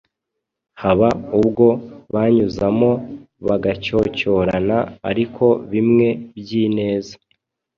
Haba ubwo banyuzamo bagacyocyorana ariko bimwe by’ineza,